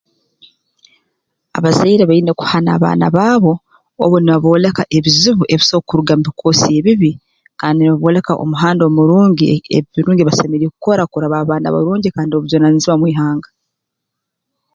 Abazaire baine kuhana abaana baabo obu nibabooleka ebizibu ebiso kuruga mu bikoosi ebibi kandi nibabooleka omuhanda omurungi ebi ebirungi ebi basemeriire kukora kurora baaba baana barungi kandi b'obujunaanizibwa mu ihanga